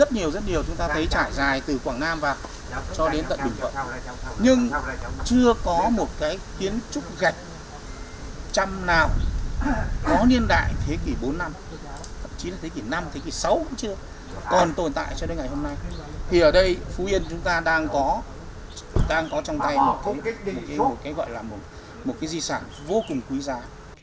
thì ở đây phú yên chúng ta đang có trong tay một cái gọi là một cái di sản vô cùng quý giá